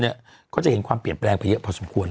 ก็จะเห็นความเปลี่ยนแปลงไปเยอะพอสมควร